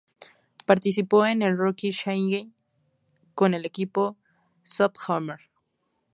Participó en el Rookie Challenge con el equipo sophomore.